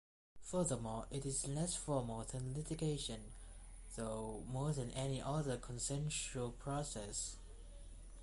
Furthermore, it is less formal than litigation, though more than any other consensual process.